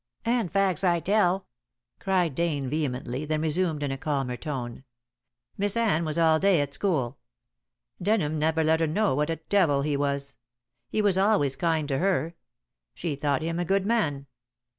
"And facts I tell," cried Dane vehemently, then resumed in a calmer tone. "Miss Anne was all day at school. Denham never let her know what a devil he was. He was always kind to her. She thought him a good man.